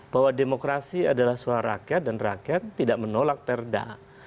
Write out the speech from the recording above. bahwa demokrasi adalah suara rakyat dan rakyat tidak menolak perda